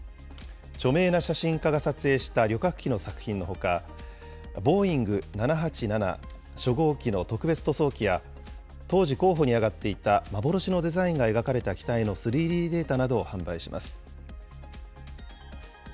著名な写真家が撮影した旅客機の作品のほか、ボーイング７８７初号機の特別塗装機や、当時候補にあがっていた幻のデザインが描かれた機体の３Ｄデータ